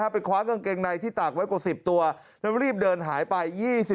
ไปคว้ากางเกงในที่ตากไว้กว่า๑๐ตัวแล้วรีบเดินหายไป